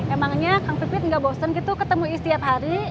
emangnya kang pipit gak bosan gitu ketemu is tiap hari